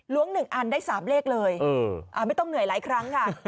ล้วงหนึ่งอันได้สามเลขเลยเอออ่าไม่ต้องเหนื่อยหลายครั้งค่ะ